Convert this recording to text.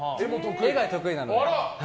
絵が得意なので。